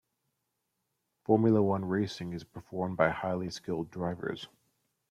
Formula one racing is performed by highly skilled drivers.